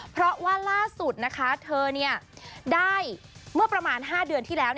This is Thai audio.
เพราะว่าล่าสุดนะคะเธอได้เมื่อประมาณ๕เดือนที่แล้ว